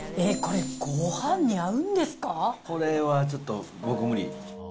これはちょっと、僕無理。